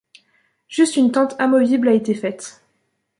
Juste une tente amovible a été faite.